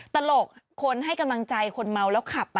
ตลกคนให้กำลังใจคนเมาแล้วขับ